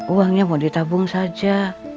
uangnya mau ditabung saja